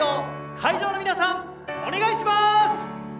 会場の皆さん、お願いします。